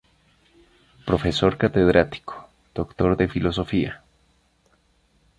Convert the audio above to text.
Profesor catedrático, doctor de filosofía.